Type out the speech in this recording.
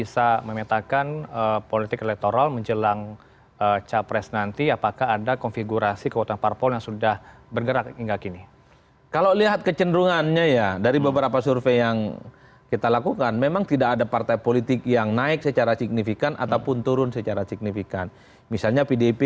seperti orang hidup tapi kayak orang mati